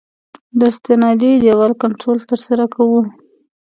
د استنادي دیوال کنټرول ترسره کوو